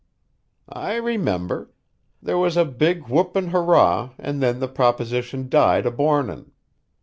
"I remember. There was a big whoop and hurrah and then the proposition died abornin'.